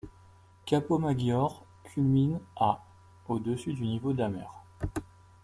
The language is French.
Campomaggiore culmine à au-dessus du niveau de la mer.